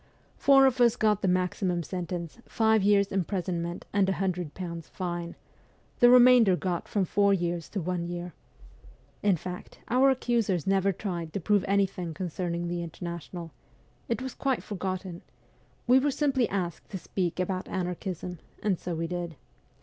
Four of us got the maximum sentence, five years' imprisonment and a hundred pounds' fine ; the remainder got from four years to one year. In fact, our accusers never tried to prove anything concerning the International. It was quite forgotten. We were simply asked to speak about anarchism, and so we did.